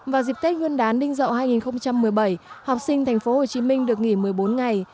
vào dịp tết nguyên đán ninh dậu hai nghìn một mươi bảy học sinh tp hcm được nghỉ một mươi bốn ngày